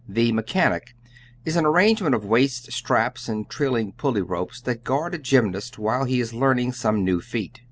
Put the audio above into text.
The "mechanic" is an arrangement of waist straps and trailing pulley ropes that guard a gymnast while he is learning some new feat.